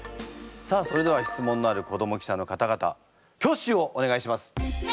さあそれでは質問のある子ども記者の方々挙手をお願いします。